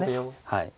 はい。